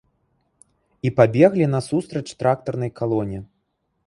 І пабеглі насустрач трактарнай калоне.